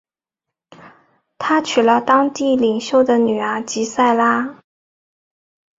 他娶了当地领袖的女儿吉塞拉。